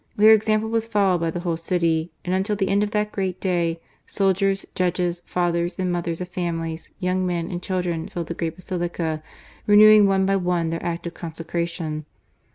Their example was followed by the whole city, and until the end of that great day. soldiers, judges, fathers and mothers of families, young men, and children filled the great Basilica, renewing one by one their act of consecra tion.